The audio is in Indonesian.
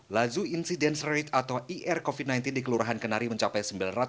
laju incidence rate atau ir covid sembilan belas di kelurahan kenari mencapai sembilan ratus lima puluh enam lima